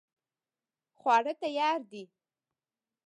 خواړه تیار دي